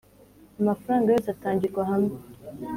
amafaranga yose atangirwa hamwe.